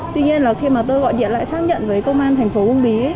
tuy nhiên là khi mà tôi gọi điện lại xác nhận với công an thành phố uông bí